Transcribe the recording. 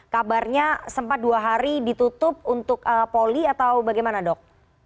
kabarnya sempat dua hari ditutup untuk poli atau bagaimana dok